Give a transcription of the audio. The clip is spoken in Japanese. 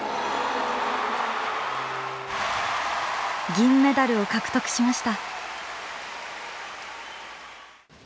銀メダルを獲得しました。